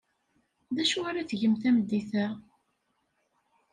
D acu ara tgem tameddit-a?